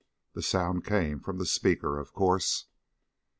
The sound came from the speaker, of course.